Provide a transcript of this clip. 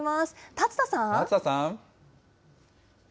竜田さん。